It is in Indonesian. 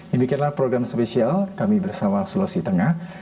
demikianlah program spesial kami bersama sulawesi tengah